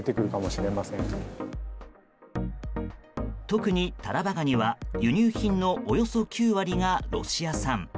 特にタラバガニは輸入品のおよそ９割がロシア産。